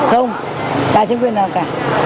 không cả chính quyền nào cả